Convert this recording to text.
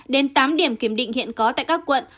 đến tám điểm kiểm định hiện có tại các quận